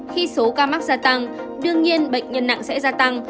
khi số ca mắc gia tăng đương nhiên bệnh nhân nặng sẽ gia tăng